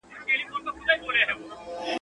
ټولوي رزق او روزي له لویو لارو!